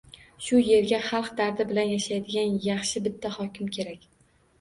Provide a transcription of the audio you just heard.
Shu yerga xalq dardi bilan yashaydigan yaxshi bitta hokim kerak!